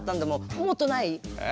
もっとない？え？